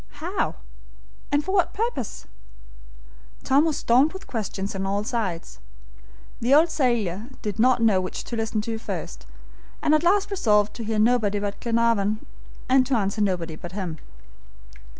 how? and for what purpose? Tom was stormed with questions on all sides. The old sailor did not know which to listen to first, and at last resolved to hear nobody but Glenarvan, and to answer nobody but him.